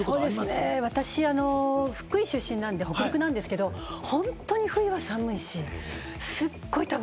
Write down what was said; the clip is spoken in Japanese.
私、福井出身なんで北陸なんですけれども、本当に冬は寒いし、すっごい。